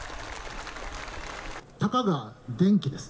たかが電気です。